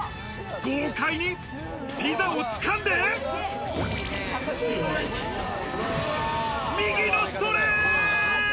豪快にピザを掴んで、右のストレート！